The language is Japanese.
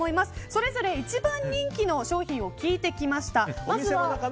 それぞれ一番人気の商品を聞いてきました。